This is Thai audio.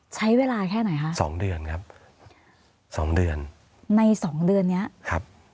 ใช้เวลาแค่ไหนคะสองเดือนครับสองเดือนในสองเดือนเนี้ยครับ